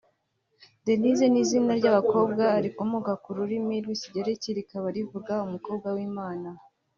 Denise ni izina ry’abakobwa rikomoka ku rurimi rw’Ikigereki rikaba rivuga “Umukobwa w’Imana”